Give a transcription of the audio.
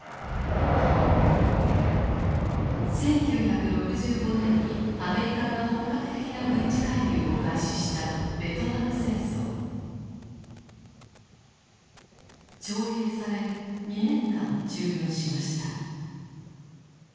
１９６５年にアメリカが本格的な軍事介入を開始した徴兵され２年間従軍しました。